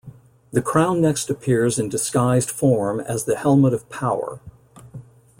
The Crown next appears in disguised form as the "Helmet of Power".